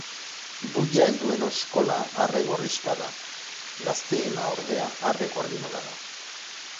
Buia helduen oskola arre-gorrixka da, gazteena ordea arre-gorrindola da.